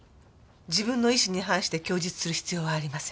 自分の意思に反して供述する必要はありません。